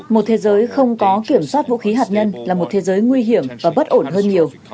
một thế giới không có kiểm soát vũ khí hạt nhân là một thế giới nguy hiểm và bất ổn hơn nhiều